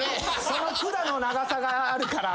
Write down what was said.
その管の長さがあるから。